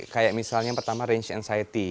kayak misalnya yang pertama range society